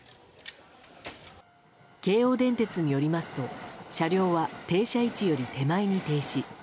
京王電鉄によりますと車両は停車位置より手前に停止。